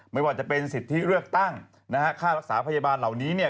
ไม่ว่าจะเป็นสิทธิเลือกตั้งนะฮะค่ารักษาพยาบาลเหล่านี้เนี่ย